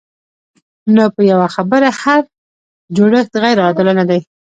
نو په یوه خبره هر جوړښت غیر عادلانه دی.